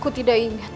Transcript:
aku tidak ingat